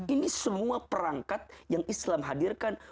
ini semua perangkat yang islam hadirkan